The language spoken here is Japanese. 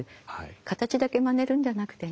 形だけまねるんじゃなくてね